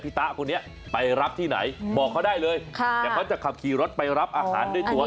ตะคนนี้ไปรับที่ไหนบอกเขาได้เลยค่ะเดี๋ยวเขาจะขับขี่รถไปรับอาหารด้วยตัว